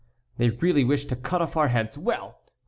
They really wish to cut off our heads. Well!